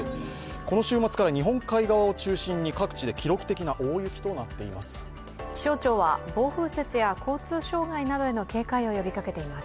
この週末から日本海側を中心に各地で記録的な大雪となっています。